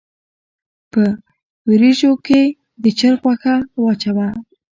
په وريژو کښې د چرګ غوښه واچوه